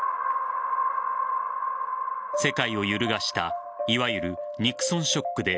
世界を揺るがしたいわゆるニクソンショックで